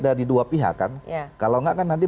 dari dua pihak kan kalau enggak kan nanti